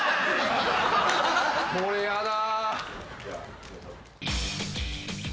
これやだ。